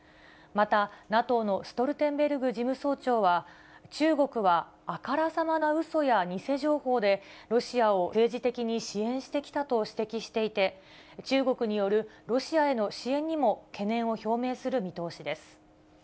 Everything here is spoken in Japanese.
また、ＮＡＴＯのストルテンベルグ事務総長は、中国は、あからさまなうそや偽情報で、ロシアを政治的に支援してきたと指摘していて、中国によるロシアへの支援にも懸念を表明する見通しです。